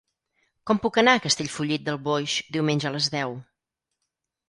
Com puc anar a Castellfollit del Boix diumenge a les deu?